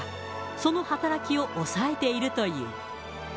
その働きを抑えているという。